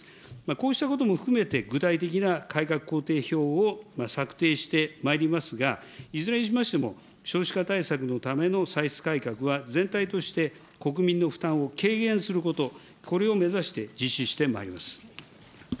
こうしたことも含めて、具体的な改革工程表を作成してまいりますが、いずれにしましても、少子化対策のための歳出改革は全体として、国民の負担を軽減すること、これを目指して実施してまいります。